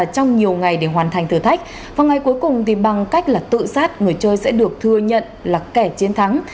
trong nhiều ngày để hoàn thành thử thách và ngày cuối cùng thì bằng cách là tự sát người chơi sẽ được thừa nhận là kẻ chiến thắng